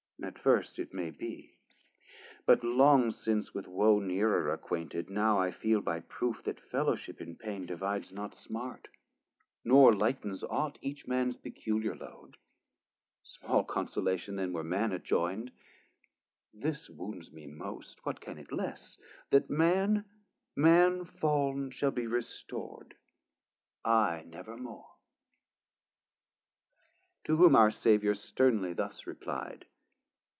At first it may be; but long since with wo Nearer acquainted, now I feel by proof, 400 That fellowship in pain divides not smart, Nor lightens aught each mans peculiar load. Small consolation then, were Man adjoyn'd: This wounds me most (what can it less) that Man, Man fall'n shall be restor'd, I never more. To whom our Saviour sternly thus reply'd.